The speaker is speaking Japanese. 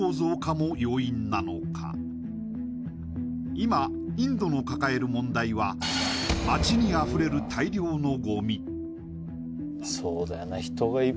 今、インドの抱える問題は、街にあふれる大量のごみ。